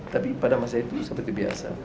tapi pada masa itu seperti biasa